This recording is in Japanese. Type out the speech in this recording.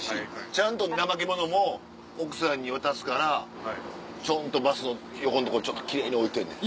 ちゃんとナマケモノも奥さんに渡すからちょんっとバスの横のとこ奇麗に置いてんねん。